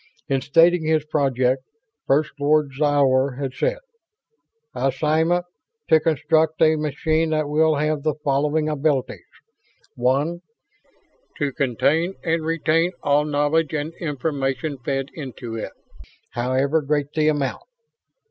In stating his project, First Lord Zoyar had said: "Assignment: To construct a machine that will have the following abilities: One, to contain and retain all knowledge and information fed into it, however great the amount.